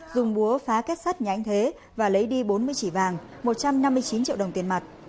dùng búa phá kết sắt nhà anh thế và lấy đi bốn mươi chỉ vàng một trăm năm mươi chín triệu đồng tiền mặt